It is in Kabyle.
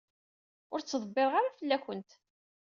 Ur ttḍebbiṛeɣ ara fell-akent.